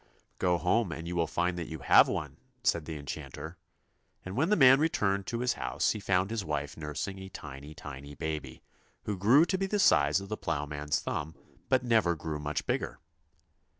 'Go home and you will find that you have one,' said the enchanter; and when the man returned to his house, he found his wife nursing a tiny tiny baby, who grew to be the size of the ploughman's thumb, but never grew much bigger.